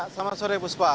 selamat sore puspa